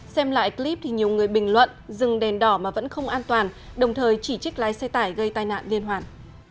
xem lại clip thì nhiều người bình luận dừng đèn đỏ mà vẫn không an toàn đồng thời chỉ trích lái xe tải gây tai nạn liên hoàn